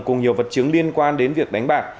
cùng nhiều vật chứng liên quan đến việc đánh bạc